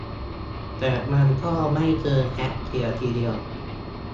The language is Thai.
แต่มันก็ไม่เชิงแฮ็กเสียทีเดียว